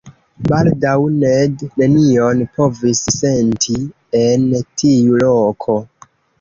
Baldaŭ Ned nenion povis senti en tiu loko.